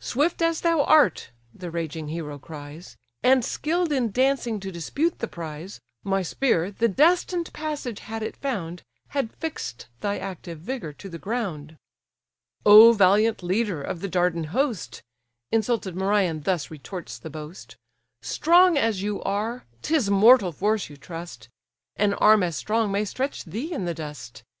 "Swift as thou art (the raging hero cries) And skill'd in dancing to dispute the prize, My spear, the destined passage had it found, Had fix'd thy active vigour to the ground." "O valiant leader of the Dardan host! (Insulted Merion thus retorts the boast) Strong as you are, 'tis mortal force you trust, An arm as strong may stretch thee in the dust.